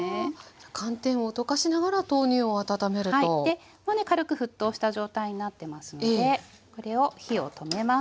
でもうね軽く沸騰した状態になってますのでこれを火を止めます。